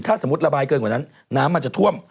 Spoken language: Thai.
ถ้าสมมุติระบายเกินกว่านั้นน้ำมันจะท่วม